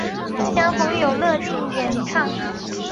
相逢有乐町演唱。